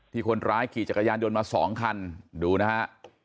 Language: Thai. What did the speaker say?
คนร้ายขี่จักรยานยนต์มาสองคันดูนะฮะ